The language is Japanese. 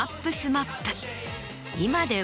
今では。